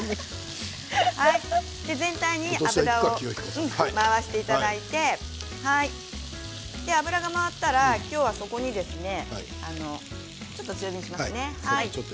全体に回していただいて油が回ったら、そこにちょっと強めにしますね。